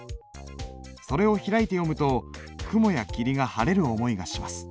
「それを開いて読むと雲や霧が晴れる思いがします」。